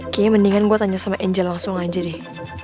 kayaknya mendingan gue tanya sama angel langsung aja deh